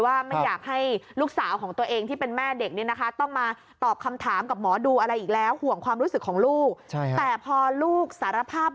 ว่าไม่อยากให้ลูกสาวของตัวเองที่เป็นแม่เด็กนี่นะคะ